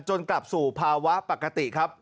กลับสู่ภาวะปกติครับ